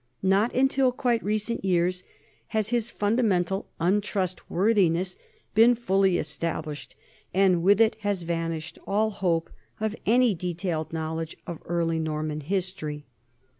Not until quite recent years has his fundamen tal untrustworthiness been fully established, and with it has vanished all hope of any detailed knowledge of early Norman history.